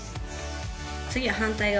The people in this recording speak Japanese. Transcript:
次は反対側。